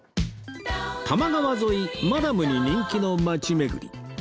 多摩川沿いマダムに人気の街巡り